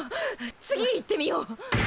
次行ってみよう。